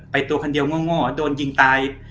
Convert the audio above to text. ไปกันเดียวง่วงโดนยิงตาย